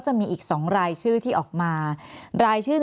แอนตาซินเยลโรคกระเพาะอาหารท้องอืดจุกเสียดแสบร้อน